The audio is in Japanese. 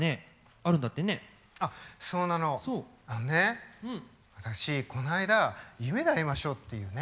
あのね私この間「夢であいましょう」っていうね